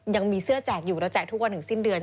ยังมีเสื้อแจกอยู่เราแจกทุกวันถึงสิ้นเดือน